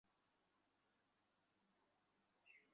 একদিন আমার এনজিওতে এসে দেখো, তারা আমাকে কতটা ভালোবাসে।